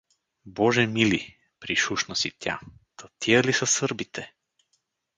— Боже мили — пришушна си тя, — та тия ли са сърбите?